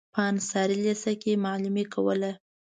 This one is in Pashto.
په انصاري لېسه کې معلمي کوله.